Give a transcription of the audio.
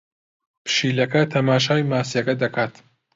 پشیلەکە تەماشای ماسییەکە دەکات.